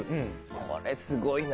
これすごいな。